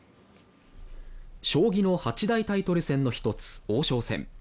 将棋の８大タイトル戦の１つ、王将戦。